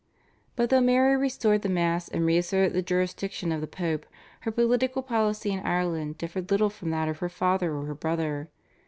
But though Mary restored the Mass and re asserted the jurisdiction of the Pope, her political policy in Ireland differed little from that of her father or her brother.